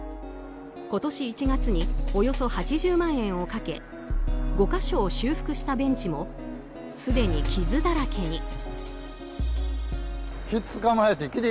今年１月におよそ８０万円をかけ５か所を修復したベンチもすでに傷だらけに。